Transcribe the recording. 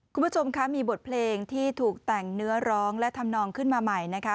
คุณผู้ชมคะมีบทเพลงที่ถูกแต่งเนื้อร้องและทำนองขึ้นมาใหม่นะคะ